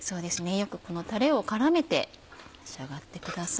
よくこのタレを絡めて召し上がってください。